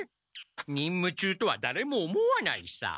任務中とはだれも思わないさ。